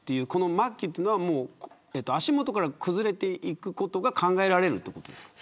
末期というのは足元から崩れていくことが考えられるということですか。